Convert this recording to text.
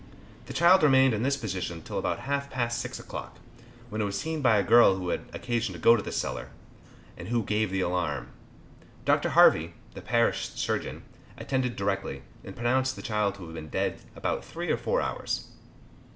The child remained in this position till about half past six o'clock, when it was seen by a girl who had occasion to go to the cellar, and who gave the alarm. Dr. Harvey, the parish surgeon, attended directly, and pronounced the child to have been dead about three or four hours.